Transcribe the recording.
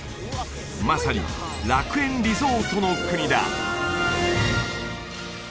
まさに楽園リゾートの国だ